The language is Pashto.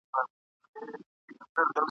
راسه که راځې وروستی سهار دی بیا به نه وینو ..